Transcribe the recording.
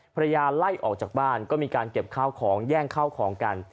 ภรรยาไล่ออกจากบ้านก็มีการเก็บข้าวของแย่งข้าวของกัน